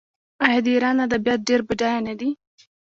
آیا د ایران ادبیات ډیر بډایه نه دي؟